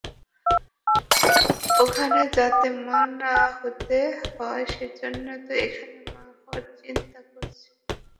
ওখানে যাতে মা না হতে হয়, সেজন্যই তো এখানে মা হওয়ার চিন্তা করছি।